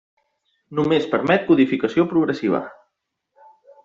Només permet codificació progressiva.